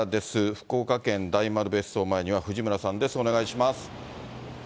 福岡県、大丸別荘前には藤村さんです、よろしくお願いします。